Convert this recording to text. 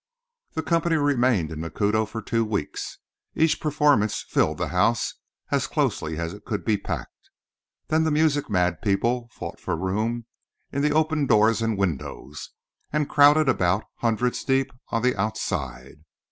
The company remained in Macuto for two weeks. Each performance filled the house as closely as it could be packed. Then the music mad people fought for room in the open doors and windows, and crowded about, hundreds deep, on the outside.